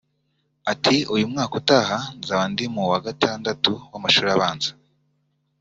Ati “Umwaka utaha nzaba ndi mu wa gatandatu w’amashuri abanza